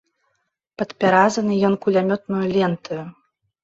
Падпяразаны ён кулямётнаю лентаю.